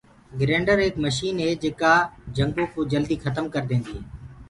گرينڊر ايڪ مشن هي جينڪآ جنگو ڪوُ جلدي کتم ڪردي هي۔